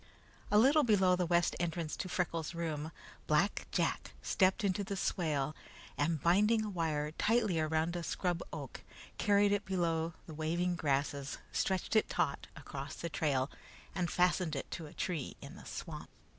A little below the west entrance to Freckles' room, Black Jack stepped into the swale, and binding a wire tightly around a scrub oak, carried it below the waving grasses, stretched it taut across the trail, and fastened it to a tree in the swamp.